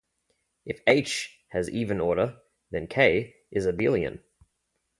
If "H" has even order then "K" is abelian.